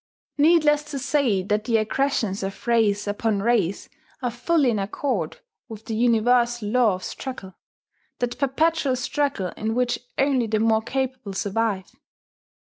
Needless to say that the aggressions of race upon race are fully in accord with the universal law of struggle, that perpetual struggle in which only the more capable survive.